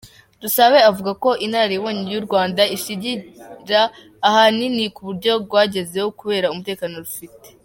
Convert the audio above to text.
Dusabe avuga ko inararibonye y’u Rwanda ishingira ahanini kubyo rwagezeho kubera umutekano rufite.